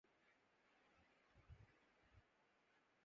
سب سے پہلے ہمیں میدان جنگ کا انتخاب اپنی مرضی سے کرنا چاہیے۔